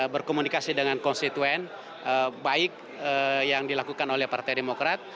berkomunikasi dengan konstituen baik yang dilakukan oleh partai demokrat